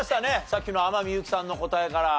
さっきの天海祐希さんの答えから。